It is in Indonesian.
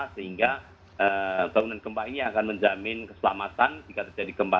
sehingga bangunan gempa ini akan menjamin keselamatan jika terjadi gempa